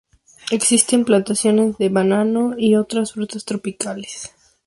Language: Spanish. Existen plantaciones de banano y otras frutas tropicales.